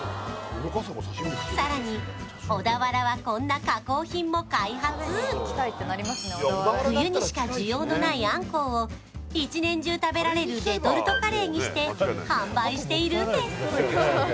更に、小田原はこんな加工品も開発冬にしか需要のないアンコウを一年中食べられるレトルトカレーにして販売しているんです。